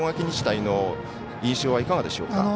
日大の印象はいかがでしょうか？